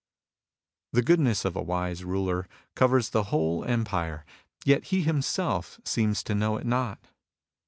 The goodness of a wise ruler covers the whole empire, yet he himself seems to know it not.